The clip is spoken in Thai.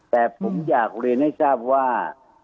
แต่ผมอยากเรียนให้ทราบว่า